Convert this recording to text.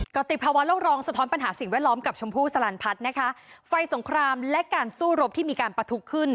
ติภาวะโลกรองสะท้อนปัญหาสิ่งแวดล้อมกับชมพู่สลันพัฒน์นะคะไฟสงครามและการสู้รบที่มีการประทุขึ้น